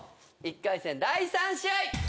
１回戦第３試合。